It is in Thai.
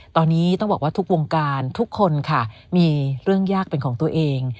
ตอนนี้ต้องบอกว่าทุกวงการทุกคนค่ะมีเรื่องยากเป็นของตัวเอง